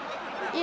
え？